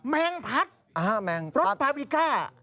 แมงพลัสรสปัพพิก้า